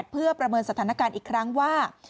เพื่อประเมินสถานการณ์อีกครั้งว่า